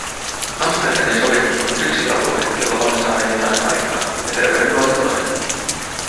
Amsterdamin sopimus on yksi alue, jolla voimme saada jotain aikaan, ja terveydenhoito toinen.